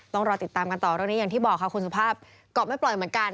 ต้องรอติดตามกันต่อเรื่องนี้อย่างที่บอกค่ะคุณสุภาพเกาะไม่ปล่อยเหมือนกัน